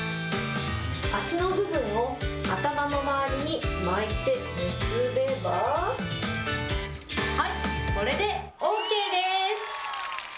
足の部分を頭の周りに巻いて結べば、はい、これでＯＫです。